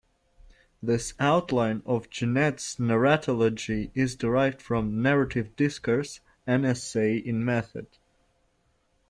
This outline of Genette's narratology is derived from "Narrative Discourse: An Essay in Method".